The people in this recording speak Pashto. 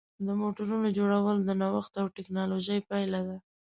د موټرونو جوړول د نوښت او ټېکنالوژۍ پایله ده.